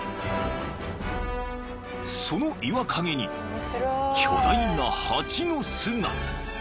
［その岩陰に巨大な蜂の巣が］